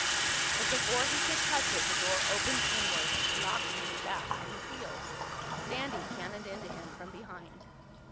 But before he could touch it the door opened inward, knocking him back on his heels. Sandy cannoned into him from behind.